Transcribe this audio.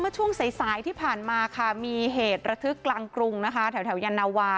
ช่วงใสที่ผ่านมามีเหตุละทึกกลางกรุงแถวยานวา